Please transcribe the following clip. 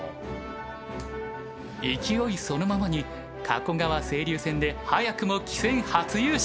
勢いそのままに加古川青流戦で早くも棋戦初優勝。